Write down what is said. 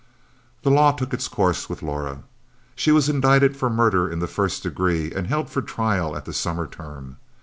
The law took its course with Laura. She was indicted for murder in the first degree and held for trial at the summer term.